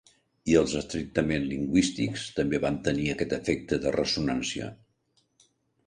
I els estrictament lingüístics també van tenir aquest efecte de ressonància.